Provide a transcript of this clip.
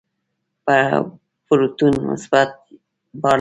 پروتون مثبت بار لري.